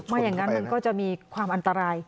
อย่างนั้นมันก็จะมีความอันตราย